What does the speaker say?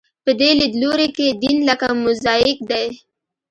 په دې لیدلوري کې دین لکه موزاییک دی.